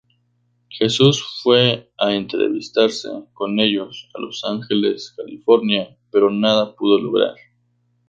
Jesús fue a entrevistarse con ellos a Los Ángeles, California, pero nada pudo lograr.